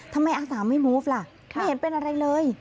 อาสาไม่มูฟล่ะไม่เห็นเป็นอะไรเลย